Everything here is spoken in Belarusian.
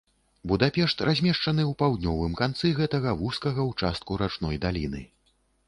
Будапешт размешчаны ў паўднёвым канцы гэтага вузкага ўчастку рачной даліны.